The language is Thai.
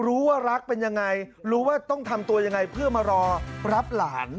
รู้ว่ารักเป็นยังไงรู้ว่าต้องทำตัวยังไงเพื่อมารอรับหลาน